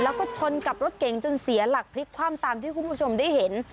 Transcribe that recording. แล้วก็ชนกับรถเก๋งจนเสียหลักพลิกคว่ำตามที่คุณผู้ชมได้เห็น